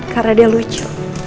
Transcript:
karena dia lucu